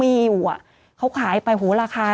ศูนย์อุตุนิยมวิทยาภาคใต้ฝั่งตะวันอ่อค่ะ